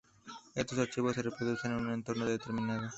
Estos archivos se reproducen en un entorno determinado.